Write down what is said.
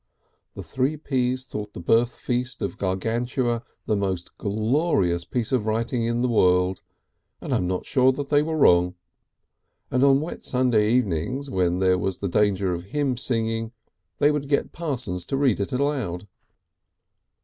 The Three Ps thought the birth feast of Gargantua the most glorious piece of writing in the world, and I am not certain they were wrong, and on wet Sunday evenings where there was danger of hymn singing they would get Parsons to read it aloud.